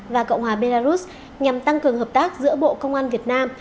và cộng hòa belarus nhằm tăng cường hợp tác giữa bộ công an việt nam